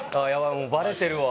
もうバレてるわ。